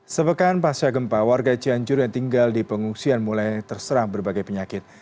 sepekan pasca gempa warga cianjur yang tinggal di pengungsian mulai terserang berbagai penyakit